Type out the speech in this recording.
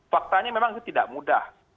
faktanya memang itu tidak mudah